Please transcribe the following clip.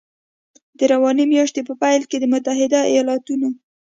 د روانې میاشتې په پیل کې د متحدو ایالتونو